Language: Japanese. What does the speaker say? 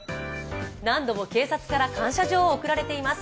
何度も警察から感謝状を贈られています。